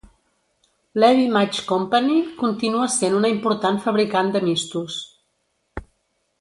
L'Eddy Match Company continua sent una important fabricant de mistos.